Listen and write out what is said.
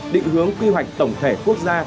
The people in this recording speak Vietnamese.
định hướng quy hoạch tổng thể quốc gia